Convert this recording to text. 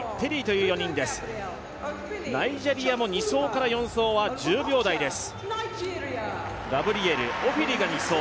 ナイジェリアも２走から４走は１０秒台です。